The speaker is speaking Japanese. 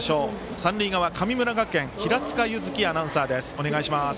三塁側、神村学園平塚柚希アナウンサーです。